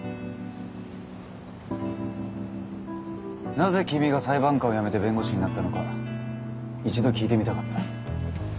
なぜ君が裁判官を辞めて弁護士になったのか一度聞いてみたかった。